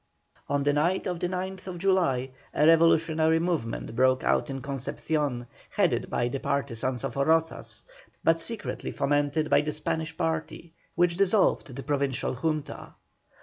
On the night of the 9th July a revolutionary movement broke out in Concepcion, headed by the partisans of Rozas, but secretly fomented by the Spanish party, which dissolved the Provincial Junta.